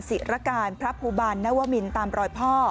ศิรการพระภูบาลนวมินตามรอยพ่อ